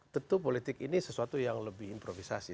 tentu politik ini sesuatu yang lebih improvisasi